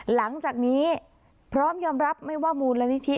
หลังจากนี้พร้อมยอมรับไม่ว่ามูลนิธิ